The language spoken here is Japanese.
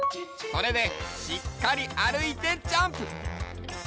それでしっかりあるいてジャンプ！